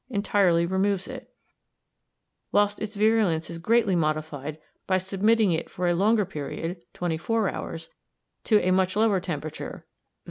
entirely removes it, whilst its virulence is greatly modified by submitting it for a longer period, twenty four hours, to a much lower temperature, _i.